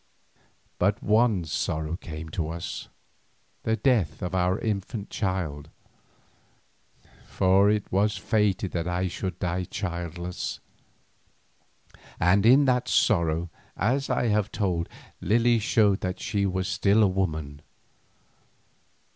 But one sorrow came to us, the death of our infant child—for it was fated that I should die childless—and in that sorrow, as I have told, Lily shewed that she was still a woman.